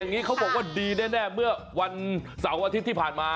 อย่างนี้เขาบอกว่าดีแน่เมื่อวันเสาร์อาทิตย์ที่ผ่านมา